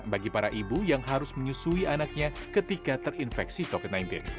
bagi para ibu yang harus menyusui anaknya ketika terinfeksi covid sembilan belas